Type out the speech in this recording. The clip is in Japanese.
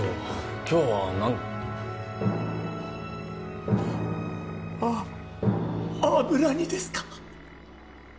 今日はなんあッ油煮ですか？